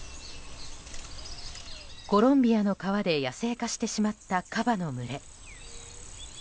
コロンビアの川で野生化してしまったカバの群れ。